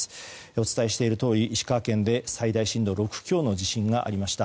お伝えしているとおり石川県で最大震度６強の地震がありました。